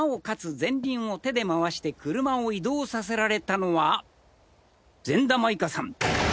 前輪を手で回して車を移動させられたのは善田舞佳さん